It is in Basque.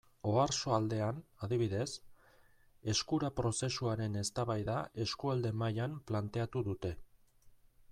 Oarsoaldean, adibidez, Eskura prozesuaren eztabaida eskualde mailan planteatu dute.